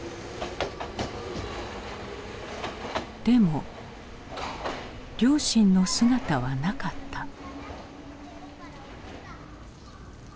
でも両親の姿はなかった。